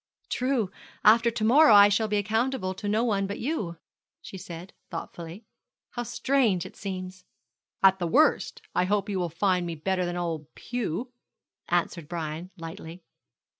'True, after to morrow I shall be accountable to no one but you,' she said, thoughtfully. 'How strange it seems!' 'At the worst, I hope you will find me better than old Pew,' answered Brian, lightly.